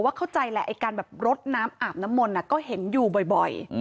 เข้าใจแหละไอ้การแบบรดน้ำอาบน้ำมนต์ก็เห็นอยู่บ่อย